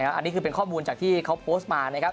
อันนี้คือข้อมูลที่เค้าโพสมา